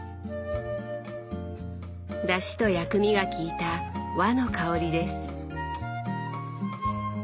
だしと薬味がきいた和の香りです。